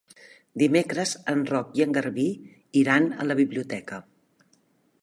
Dimecres en Roc i en Garbí iran a la biblioteca.